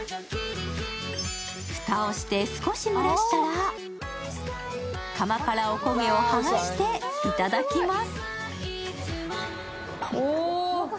蓋をして、少し蒸らしたら釜からおこげを剥がしていただきます。